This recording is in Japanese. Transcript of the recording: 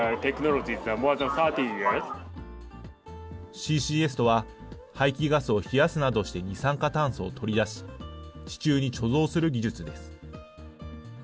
ＣＣＳとは、排気ガスを冷やすなどして二酸化炭素を取り出し、地中に貯蔵する技術です。